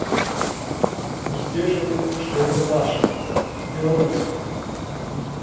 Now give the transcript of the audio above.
Усцешаны, што яно нашае, беларускае.